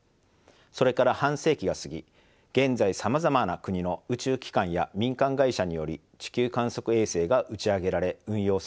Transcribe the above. それから半世紀が過ぎ現在さまざまな国の宇宙機関や民間会社により地球観測衛星が打ち上げられ運用されています。